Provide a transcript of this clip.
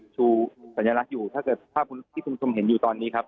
ชูสัญลักษณ์อยู่ถ้าเกิดภาพที่คุณผู้ชมเห็นอยู่ตอนนี้ครับ